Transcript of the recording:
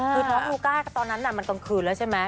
คือน้องลูก้าตอนนั้นมันกลางคืนแล้วใช่ไหม